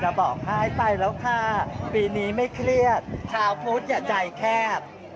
บอกให้ไปแล้วค่ะปีนี้ไม่เครียดชาวพุทธอย่าใจแคบ